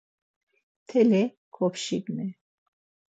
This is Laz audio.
Mteli kopşigni.